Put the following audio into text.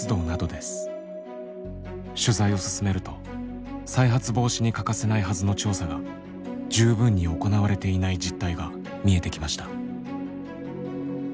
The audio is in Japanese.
取材を進めると再発防止に欠かせないはずの調査が十分に行われていない実態が見えてきました。